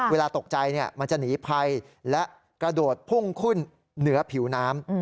เวลาตกใจมันจะหนีภัยและกระโดดพุ่งขึ้นเหนือผิวน้ำ